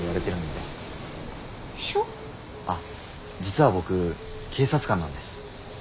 あっ実は僕警察官なんです。